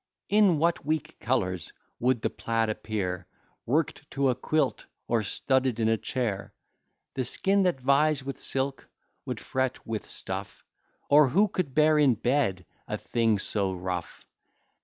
In what weak colours would the plaid appear, Work'd to a quilt, or studded in a chair! The skin, that vies with silk, would fret with stuff; Or who could bear in bed a thing so rough?